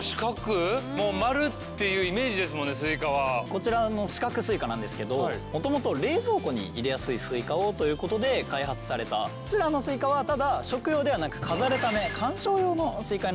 こちらの四角スイカなんですけどもともと冷蔵庫に入れやすいスイカをということで開発されたこちらのスイカはただ食用ではなく飾るため観賞用のスイカになっているんですね。